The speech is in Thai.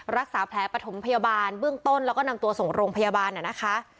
รักษาแผลปฐมพยาบาลเบื้องต้นแล้วก็นำตัวส่งโรงพยาบาลนะคะ